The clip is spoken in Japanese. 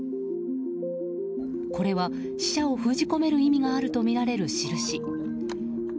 これは死者を封じ込める意味があるとみられる、印。